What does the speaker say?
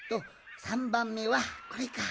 ３ばんめはこれか。